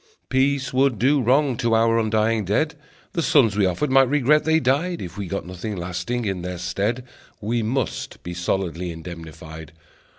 Peace would do wrong to our undying dead, The sons we offered might regret they died If we got nothing lasting in their stead. We must be solidly indemnified.